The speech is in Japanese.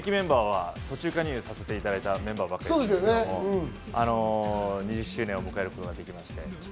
僕ら途中加入させていただいたメンバーばかりですけど、２０周年を迎えることができまして。